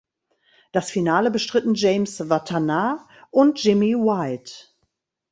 Das Finale bestritten James Wattana und Jimmy White.